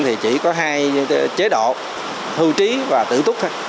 thì chỉ có hai chế độ hư trí và tự túc